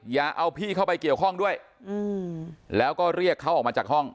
อย่าเอาพี่เข้าไปเกี่ยวข้องด้วยแล้วก็เรียกเขาออกมาจากห้อง